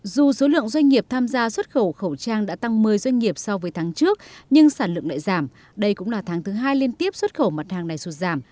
dù số lượng doanh nghiệp tham gia xuất khẩu khẩu trang đã tăng một mươi doanh nghiệp so với tháng trước nhưng sản lượng lại giảm đây cũng là tháng thứ hai liên tiếp xuất khẩu mặt hàng này sụt giảm